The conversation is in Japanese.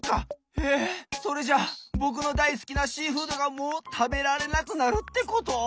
えっそれじゃぼくのだいすきなシーフードがもうたべられなくなるってこと！？